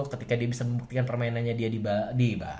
ketika dia bisa membuktikan permainannya dia di